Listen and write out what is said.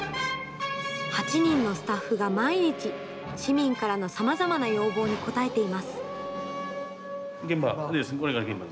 ８人のスタッフが毎日市民からのさまざまな要望に応えています。